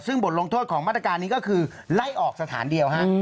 ซึ่งบทลงโทษของมาตรการนี้ก็คือไล่ออกสถานเดียวฮะ